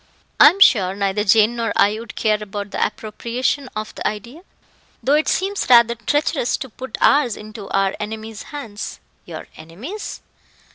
"I am sure neither Jane nor I would care about the appropriation of the idea, though it seems rather treacherous to put ours into our enemy's hands." "Your enemy's!